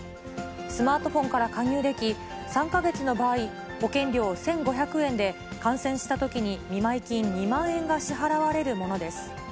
スマートフォンから加入でき、３か月の場合、保険料１５００円で、感染したときに、見舞金２万円が支払われるものです。